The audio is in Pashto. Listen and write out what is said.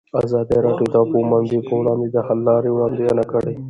ازادي راډیو د د اوبو منابع پر وړاندې د حل لارې وړاندې کړي.